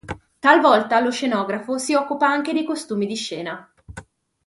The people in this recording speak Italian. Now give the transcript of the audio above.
Talvolta lo scenografo si occupa anche dei costumi di scena.